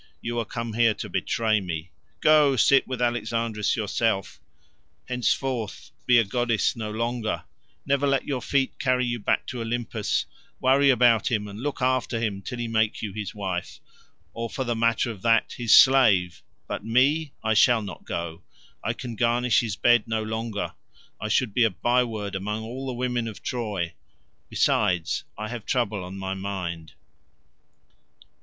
You are come here to betray me. Go sit with Alexandrus yourself; henceforth be goddess no longer; never let your feet carry you back to Olympus; worry about him and look after him till he make you his wife, or, for the matter of that, his slave—but me? I shall not go; I can garnish his bed no longer; I should be a by word among all the women of Troy. Besides, I have trouble on my mind."